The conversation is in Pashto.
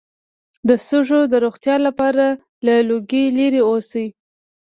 د سږو د روغتیا لپاره له لوګي لرې اوسئ